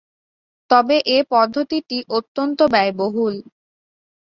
তবে এ পদ্ধতিটি অত্যন্ত ব্যয়বহুল।